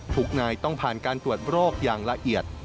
ทุกนายต้องผ่านการตรวจโรคอย่างละเอียด